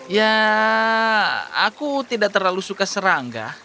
ya aku tidak terlalu suka serangga